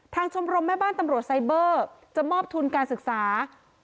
ชมรมแม่บ้านตำรวจไซเบอร์จะมอบทุนการศึกษา